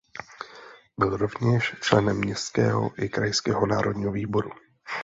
Byl rovněž členem Městského i Krajského národního výboru.